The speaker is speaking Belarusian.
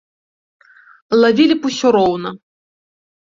Лавілі б усё роўна.